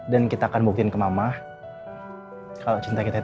dan kita akan buktikan ke mama kalau cinta kita itu kuat